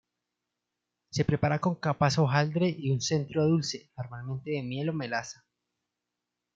Se prepara con capas hojaldre y un centro dulce, normalmente de miel o melaza.